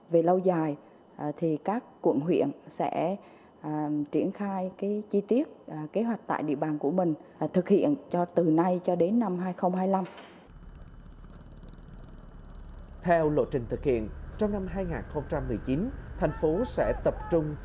về lâu dài thì các quận huyện sẽ triển khai chi tiết kế hoạch tại địa bàn